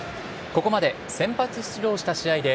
ここまで先発出場した試合で、